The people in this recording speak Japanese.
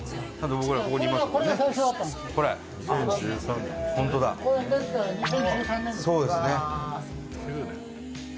伊達：そうですね。